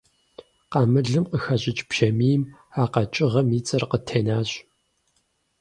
Къамылым къыхащӀыкӀ бжьамийм а къэкӀыгъэм и цӀэр къытенащ.